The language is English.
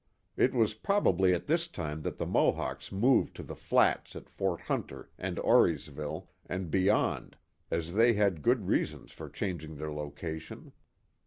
It was probably at this time thatthe Mohawks moved to the flats at Fort Hunter and Auriesville, and beyond, as they had good reasons for changing their location.